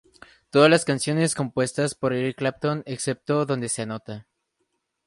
Todas las canciones compuestas por Eric Clapton excepto donde se anota.